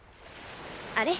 あれ？